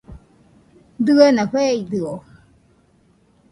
Dɨena feidɨo